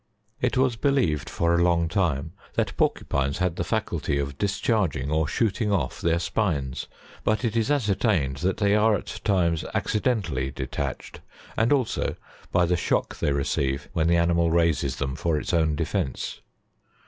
58. It was believed for a long time that porcupines had the faculty of discharging or shooting off their spines ; but it is ascer tained that they are at times accidentally detached, and also by the shock they receive when the animal raises them for its own defence.